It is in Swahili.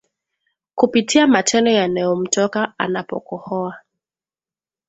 kupitia matone yanayomtoka anapokohoa